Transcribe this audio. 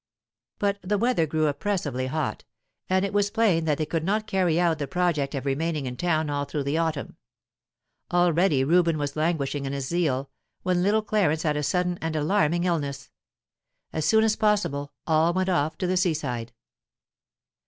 But the weather grew oppressively hot, and it was plain that they could not carry out the project of remaining in town all through the autumn. Already Reuben was languishing in his zeal, when little Clarence had a sudden and alarming illness. As soon as possible, all went off to the seaside.